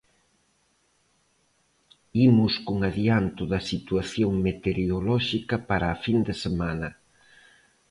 Imos cun adianto da situación meteorolóxica para a fin de semana.